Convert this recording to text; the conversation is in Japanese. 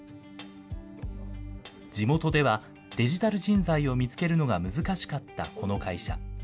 地元ではデジタル人材を見つけるのが難しかったこの会社。